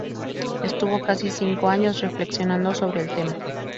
Estuvo casi cinco años reflexionando sobre el tema.